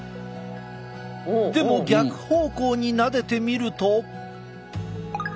でも逆方向になでてみると。